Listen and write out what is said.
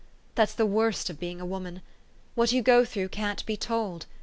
That's the worst of being a woman. What you go through can't be told.